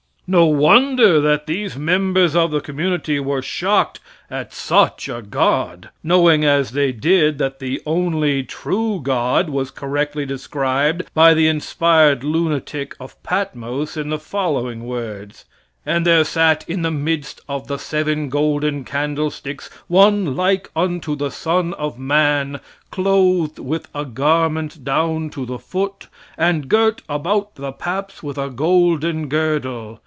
No wonder that these members of the committee were shocked at such a god, knowing as they did that the only true God was correctly described by the inspired lunatic of Patmos in the following words: "And there sat in the midst of the seven golden candlesticks one like unto the son of man, clothed with a garment down to the foot, and girt about the paps with a golden girdle.